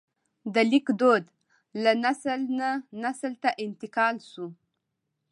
د لیک دود له نسل نه نسل ته انتقال شو.